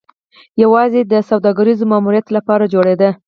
یوازې د سوداګریز ماموریت لپاره جوړېده